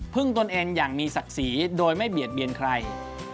ตนเองอย่างมีศักดิ์ศรีโดยไม่เบียดเบียนใคร